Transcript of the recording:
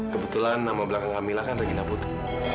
kebetulan nama belakang kamila kan regina putri